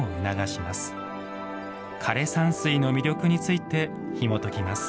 枯山水の魅力についてひもときます。